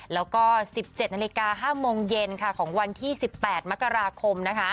แล้วก็๑๗นาฬิกา๕โมงเย็นของวันที่๑๘มกราคมนะคะ